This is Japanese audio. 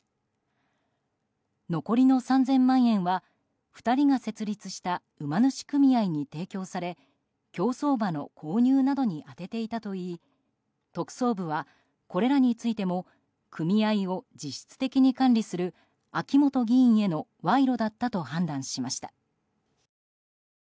残りの３０００万円は２人が設立した馬主組合に提供され競走馬の購入などに充てていたといい特捜部は、これらについても組合を実質的に管理する秋本議員への賄賂だったと判断しました。